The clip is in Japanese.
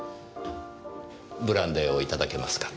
ブランデーを頂けますか？